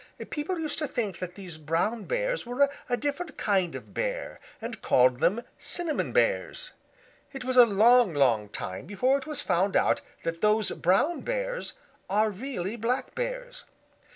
People used to think that these brown Bears were a different kind of Bear, and called them Cinnamon Bears. It was a long, long time before it was found out that those brown Bears are really black Bears.